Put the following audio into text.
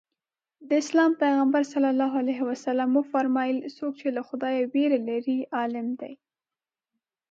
د اسلام پیغمبر ص وفرمایل څوک چې له خدایه وېره لري عالم دی.